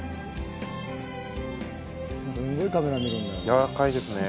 やわらかいですね。